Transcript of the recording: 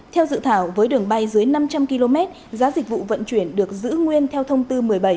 theo dự thảo với đường bay dưới năm trăm linh km giá dịch vụ vận chuyển được giữ nguyên theo thông tư một mươi bảy